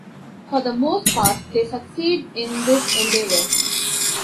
For the most part they succeed in this endeavor.